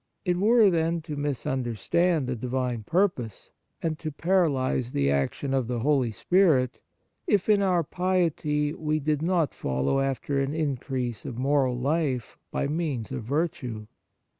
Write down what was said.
It were, then, to misunder stand the divine purpose, and to paralyze the action of the Holy Spirit, if in our piety we did not follow after an increase of moral life by means of virtue.